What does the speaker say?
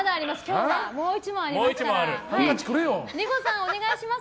お願いします